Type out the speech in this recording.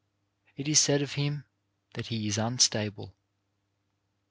It is said of him that he is unstable.